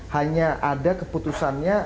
hanya ada keputusannya